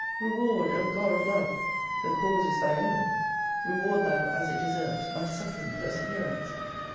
Reward, O God of Love! [The cause is thy own!] Reward thou, as it deserves, my suffering perseverance!